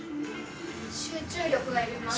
集中力が要りますね。